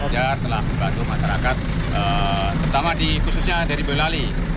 jar telah membantu masyarakat terutama di khususnya dari boyolali